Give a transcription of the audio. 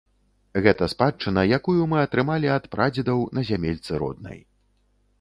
Гэта спадчына, якую мы атрымалі ад прадзедаў на зямельцы роднай.